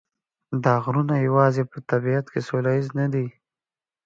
دا غرونه یوازې په طبیعت کې سوله ییز نه دي.